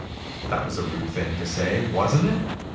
" That was a rude thing to say, wasn't it?